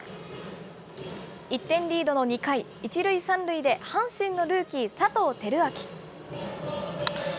１点リードの２回、１塁３塁で阪神のルーキー、佐藤輝明。